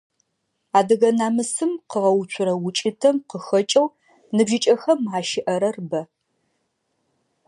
Адыгэ намысым къыгъэуцурэ укӀытэм къыхэкӀэу ныбжьыкӀэхэм ащыӀэрэр бэ.